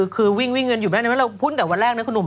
คือวิ่งเงินอยู่ไหมเราพูดแต่วันแรกนะคุณหนุ่ม